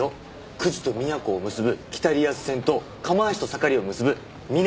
久慈と宮古を結ぶ北リアス線と釜石と盛を結ぶ南リアス線。